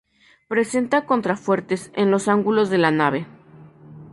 Presenta contrafuertes en los ángulos de la nave.